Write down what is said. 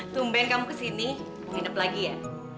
tumben kamu ke sini nginep lagi ya